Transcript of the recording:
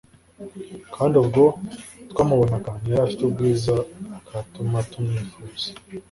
kandi ubwo twamubonaga ntiyari afite ubwiza bwatuma tumwifuza.